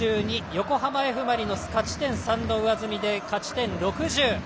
横浜Ｆ・マリノス勝ち点３の上積みで勝ち点６０。